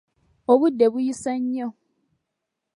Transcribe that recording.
Obudde buyise nnyo.